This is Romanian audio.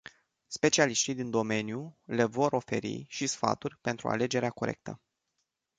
Specialiștii din domeniu le vor oferi și stafuri pentru alegerea corectă.